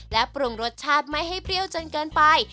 และปรุงรสชาติไม่ให้เปรี้ยวจนเกินไป